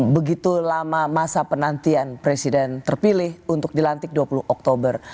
begitu lama masa penantian presiden terpilih untuk dilantik dua puluh oktober